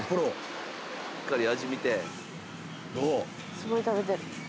すごい食べてる。